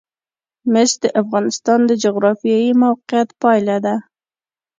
مس د افغانستان د جغرافیایي موقیعت پایله ده.